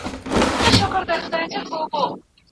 او د لیکلو لپاره څه نه لري